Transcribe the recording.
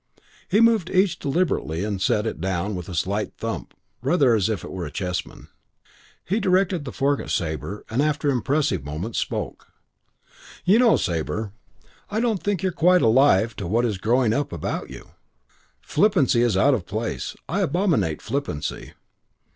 He moved each deliberately and set it down with a slight thump, rather as if it were a chessman. He directed the fork at Sabre and after an impressive moment spoke: "You know, Sabre, I don't think you're quite alive to what it is that is growing up about you. Flippancy is out of place. I abominate flippancy."